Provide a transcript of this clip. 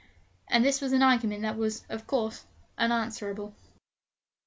And this was an argument that was, of course, unanswerable.